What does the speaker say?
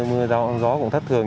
mưa gió cũng thất thường